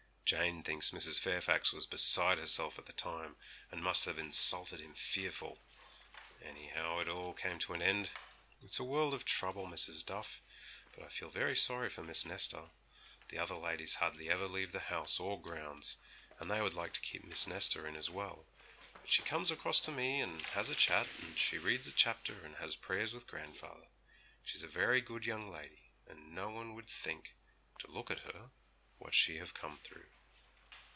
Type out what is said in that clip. Jane thinks Mrs. Fairfax was beside herself at the time, and must have insulted him fearful. Anyhow, it all came to an end. It's a world of trouble, Mrs. Duff. But I feel very sorry for Miss Nesta. The other ladies hardly ever leave the house or grounds, and they would like to keep Miss Nesta in as well; but she comes across to me and has a chat, and she reads a chapter and has prayers with grandfather. She's a very good young lady, and no one would think, to look at her, what she have come through.'